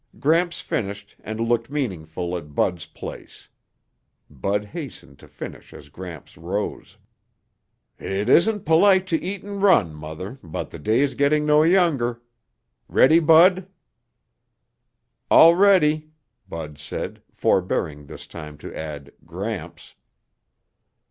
Gramps finished and looked meaningfully at Bud's place. Bud hastened to finish as Gramps rose. "It isn't polite to eat and run, Mother, but the day's getting no younger. Ready, Bud?" "All ready," Bud said, forebearing this time to add "Gramps."